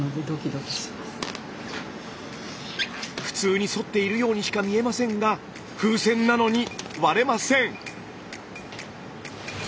普通にそっているようにしか見えませんが風船なのに割れません。